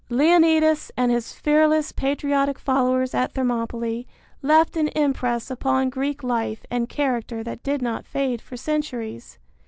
Leonidas and his fearless patriotic followers at Thermopylae left an impress upon Greek life and character that did not fade for centuries.